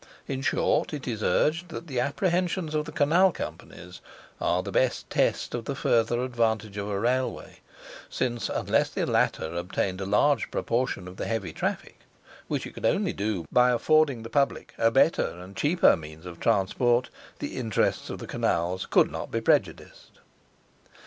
In short, it is urged that the apprehensions of the Canal Companies are the best test of the further advantage of a Railway; since unless the latter obtained a large proportion of the heavy traffic, which it could only do by affording the public a better and cheaper means of transport, the interests of the Canals could not be prejudiced.